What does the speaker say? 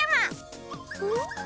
ん？